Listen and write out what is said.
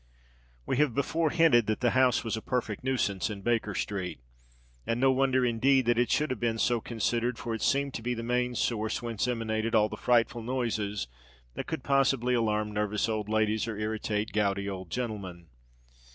We have before hinted that the house was a perfect nuisance in Baker Street. And no wonder, indeed, that it should have been so considered; for it seemed to be the main source whence emanated all the frightful noises that could possibly alarm nervous old ladies or irritate gouty old gentlemen.